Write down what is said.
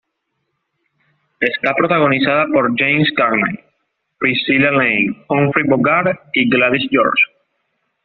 Esta protagonizada por James Cagney, Priscilla Lane, Humphrey Bogart y Gladys George.